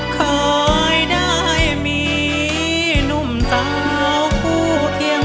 เคยได้มีนุ่มเจ้าผู้เคียง